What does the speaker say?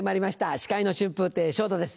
司会の春風亭昇太です。